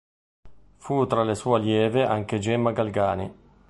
Fu tra le sue allieve anche Gemma Galgani.